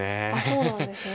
そうなんですね。